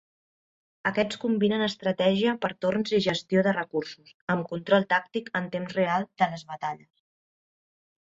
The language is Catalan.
Aquests combinen estratègia per torns i gestió de recursos, amb control tàctic en temps real de les batalles.